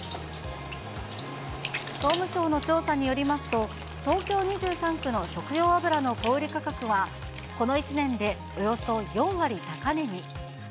総務省の調査によりますと、東京２３区の食用油の小売り価格は、この１年でおよそ４割高値に。